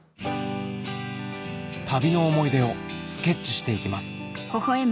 旅の思い出をスケッチして行きます